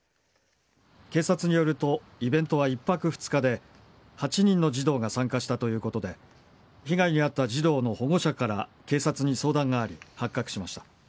警察によるとイベントは１泊２日で８人の児童が参加したということで被害に遭った児童の保護者から警察に相談があり発覚しました。